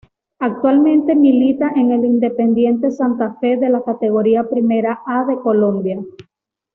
Actualmente milita en el Independiente Santa Fe de la Categoría Primera A de Colombia.